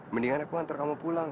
mendingan aku antar kamu pulang